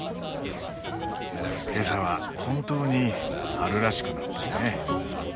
今朝は本当に春らしくなったね。